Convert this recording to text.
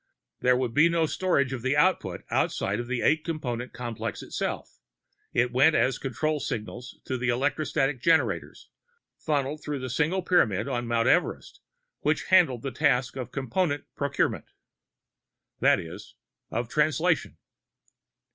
There would be no storage of the Output outside of the eight Component complex itself; it went as control signals to the electrostatic generators, funneled through the single Pyramid on Mount Everest, which handled the task of Component procurement. That is, of Translation.